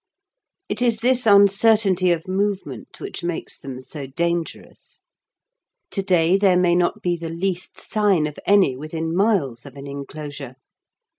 It is this uncertainty of movement which makes them so dangerous. To day there may not be the least sign of any within miles of an enclosure.